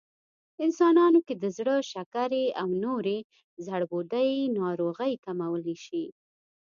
انسانانو کې د زړه، شکرې او نورې د زړبوډۍ ناروغۍ کمولی شي